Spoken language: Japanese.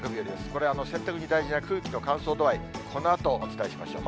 これ、洗濯に大事な空気の乾燥度合い、このあとお伝えしましょう。